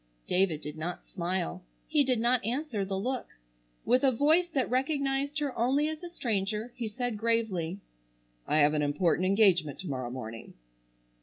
David did not smile. He did not answer the look. With a voice that recognized her only as a stranger he said gravely: "I have an important engagement to morrow morning."